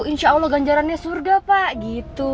insya allah ganjarannya surga pak gitu